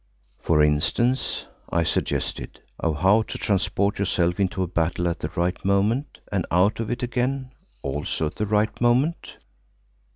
"For instance," I suggested, "of how to transport yourself into a battle at the right moment, and out of it again—also at the right moment."